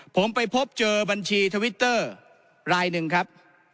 ผมไปพบเจอบัญชีทวิตเตอร์รายหนึ่งครับ